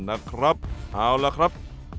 เอาล่ะครับ